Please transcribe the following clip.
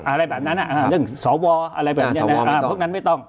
อะไรแบบนั้นเรื่องสวอะไรแบบนี้นะพวกนั้นไม่ต้อง